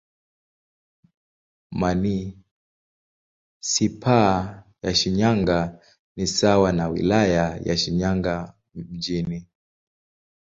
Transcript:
Manisipaa ya Shinyanga ni sawa na Wilaya ya Shinyanga Mjini.